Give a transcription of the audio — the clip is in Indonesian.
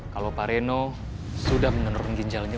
kalau pak reno sudah menurunkan ginjalnya